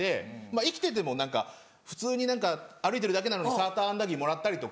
生きてても何か普通に歩いてるだけなのにサーターアンダギーもらったりとか。